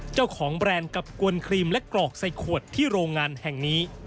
แบรนด์กับกวนครีมและกรอกใส่ขวดที่โรงงานแห่งนี้